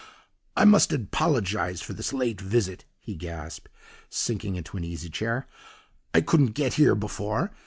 "'I must apologise for this late visit,' he gasped, sinking into an easy chair, 'I couldn't get here before.